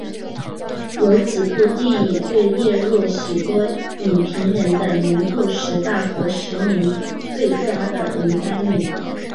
有几部电影被列入许多影评人的年度十大和十年最佳的名单里。